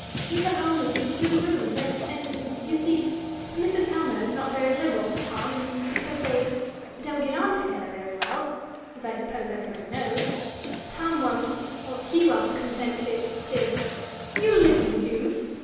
We have only these two rooms, and and you see Mrs. Helmer is not very liberal to Tom, and because they don't get on together very well as I suppose everybody knows Tom won't he won't consent to to " "You little goose!"